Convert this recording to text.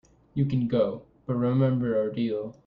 You can go, but remember our deal.